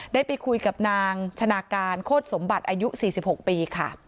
ได้ไปคุยกับนางชนะการโคตรสมบัติอายุ๔๖ปีค่ะ